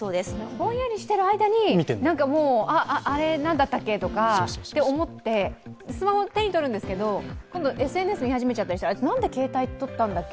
ぼんやりしている間に、あれ何だったっけとか思って、スマホを手にとるんですけど、今度ＳＮＳを見始めちゃったら何で携帯手にとったんだっけ？